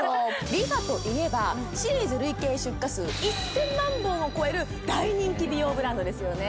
ＲｅＦａといえばシリーズ累計出荷数１０００万本を超える大人気美容ブランドですよね